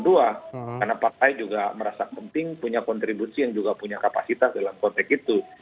karena partai juga merasa penting punya kontribusi yang juga punya kapasitas dalam konteks itu